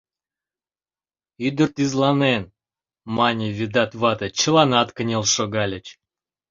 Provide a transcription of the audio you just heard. — Ӱдыр тӱзланен! — мане Ведат вате, чыланат кынел шогальыч.